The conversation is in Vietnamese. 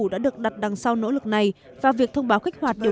đã được đặt đằng sau nỗ lực này và việc thông báo kích hoạt điều năm mươi